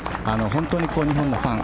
本当に日本のファン